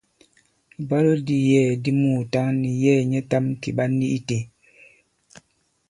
Ìbwalo di yɛ̌ɛ̀ di muùtǎŋ nì yɛ̌ɛ̀ nyɛtām kì ɓa ni itē.